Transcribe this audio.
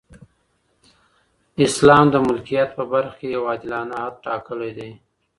اسلام د ملکیت په برخه کي یو عادلانه حد ټاکلی دی.